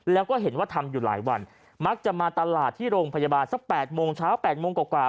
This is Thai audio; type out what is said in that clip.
แล้วก็เห็นว่าทำอยู่หลายวันมักจะมาตลาดที่โรงพยาบาลสัก๘โมงเช้า๘โมงกว่า